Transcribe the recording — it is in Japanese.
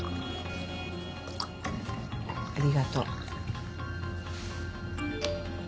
ありがとう。